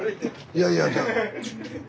いやいや。